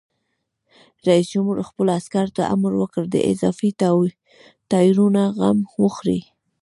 رئیس جمهور خپلو عسکرو ته امر وکړ؛ د اضافي ټایرونو غم وخورئ!